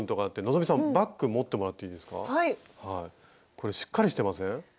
これしっかりしてません？